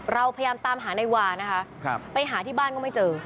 เราพยายามตามหานายวานะคะไปหาที่บ้านก็ไม่เจอ